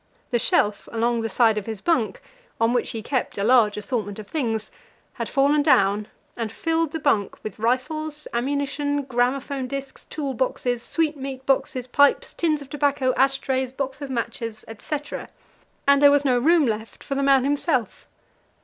The shelf along the side of his bunk, on which he kept a large assortment of things, had fallen down, and filled the bunk with rifles, ammunition, gramophone discs, tool boxes, sweetmeat boxes, pipes, tins of tobacco, ash trays, boxes of matches, etc., and there was no room left for the man himself.